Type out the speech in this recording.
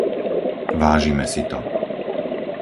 Vážime si to.